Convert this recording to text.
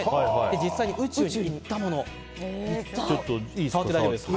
実際に宇宙に行ったものです。